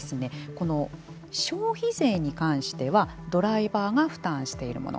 この消費税に関してはドライバーが負担しているもの